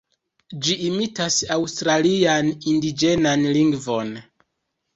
Ĝi imitas aŭstralian indiĝenan lingvon.